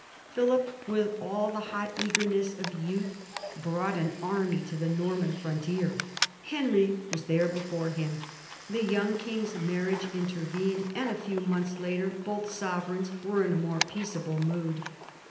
Philip, with all the hot eagerness of youth, brought an army to the Norman frontier. Henry was there before him. The young king's marriage intervened, and a few months later both sovereigns were in more peaceable mood.